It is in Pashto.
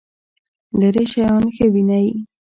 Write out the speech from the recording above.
لرې شیان ښه وینئ؟